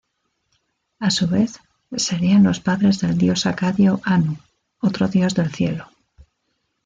A su vez, serían los padres del dios acadio Anu, otro dios del cielo.